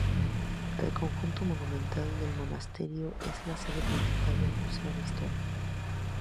El conjunto monumental del monasterio es la sede principal del Museo de Historia.